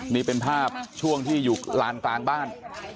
นี่เป็นภาพช่วงที่อยู่ลานกลางบ้าน